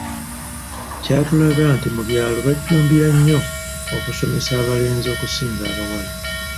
Kyatulaga nti mu byalo bajjumbira nnyo okusomesa abalenzi okusinga abawala.